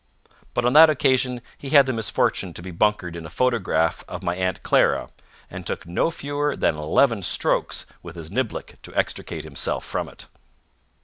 But on that occasion he had the misfortune to be bunkered in a photograph of my Aunt Clara and took no fewer than eleven strokes with his niblick to extricate himself from it.